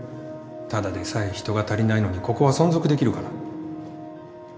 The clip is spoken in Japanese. ただでさえ人が足りないのにここは存続できるかな？